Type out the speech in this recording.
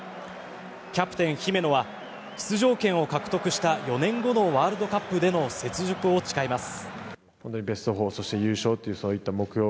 キャプテン、姫野は出場権を獲得した４年後のワールドカップでの雪辱を誓います。